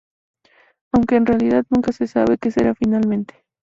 Aunque, en realidad, nunca se sabe que será finalmente.